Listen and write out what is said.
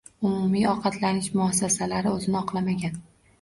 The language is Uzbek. Umumiy ovqatlanish muassasalari oʻzini oqlamagan.